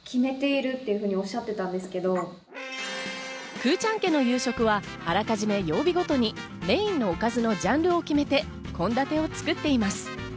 くぅちゃん家の夕食はあらかじめ曜日ごとにメインのおかずのジャンルを決めて献立を作っています。